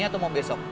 atau mau besok